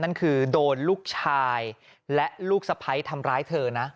นั่นคือโดนลูกชายและลูกสะพ้ายทำร้ายเธอนะ